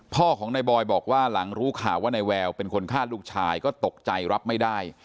พ่อของนายบอยบอกว่าหลังรู้ข่าวว่านายแววเป็นคนฆ่าลูกชายก็ตกใจรับไม่ได้